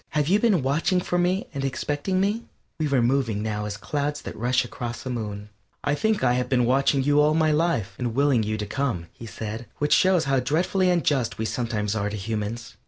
"Have you been watching for me and expecting me?" We were moving now as clouds that rush across a moon. "I think I have been watching for you all my life and willing you to come," he said, which shows how dreadfully unjust we sometimes are to humans.